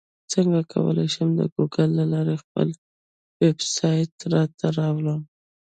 څنګه کولی شم د ګوګل له لارې خپل ویبسایټ راته راولم